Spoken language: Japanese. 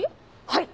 はい！